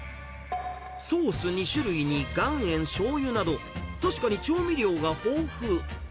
ソース２種類に岩塩、しょうゆなど、確かに調味料が豊富。